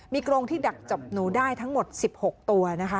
มีกรงที่ดักจับหนูได้ทั้งหมด๑๖ตัวนะคะ